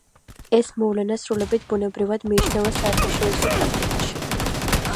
ეს მოვლენა სრულებით ბუნებრივად მიიჩნევა საერთაშორისო პრაქტიკაში.